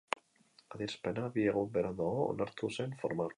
Adierazpena bi egun beranduago onartu zen formalki.